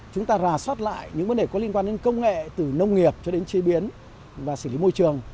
chúng ta rà soát lại những vấn đề có liên quan đến công nghệ từ nông nghiệp cho đến chế biến và xử lý môi trường